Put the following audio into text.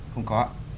không có ạ